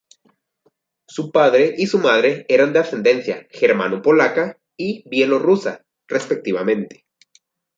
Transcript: Su padre y su madre eran de ascendencia germano-polaca y bielorrusa, respectivamente.